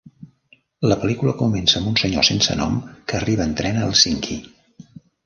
La pel·lícula comença amb un senyor sense nom que arriba en tren a Hèlsinki.